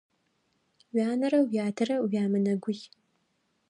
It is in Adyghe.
Уянэрэ уятэрэ уямынэгуй.